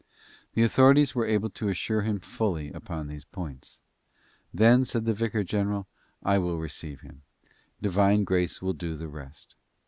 The authorities were able to assure him fully upon these points. "Then," said the vicar general, "I will receive him. Divine grace will do the rest."